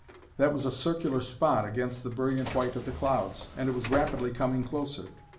That was a circular spot against the brilliant white of the clouds, and it was rapidly coming closer.